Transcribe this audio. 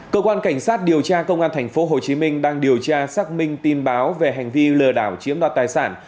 cơ quan cảnh sát điều tra công an tp hcm đang điều tra xác minh tin báo về hành vi lừa đảo chiếm đoạt tài sản